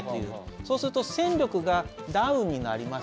そうすると戦力がダウンになります。